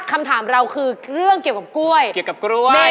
คำถามเราคือเรื่องเกี่ยวกับกล้วย